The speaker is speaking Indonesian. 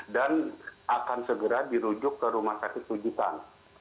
dan akan segera dirujuk ke rumah sakit rujukan